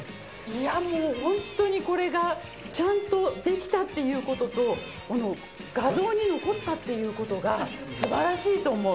いやもうホントにこれがちゃんとできたっていう事と画像に残ったっていう事が素晴らしいと思う。